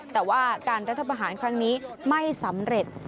แต่ว่าการรัฐประหารครั้งนี้ไม่สำเร็จ